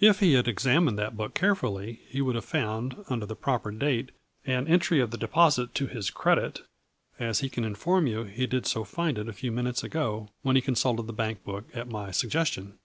If he had examined that book carefully he would have found, under the proper date, an entry of the deposit to his credit, as he can inform you he did so find it a few minutes ago, when he consulted the bank book at my suggestion.